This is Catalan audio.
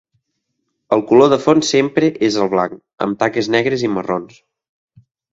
El color de fons sempre és el blanc, amb taques negres i marrons.